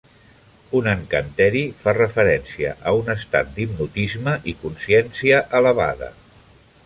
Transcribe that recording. Un encanteri fa referència a un estat d'hipnotisme i consciència elevada.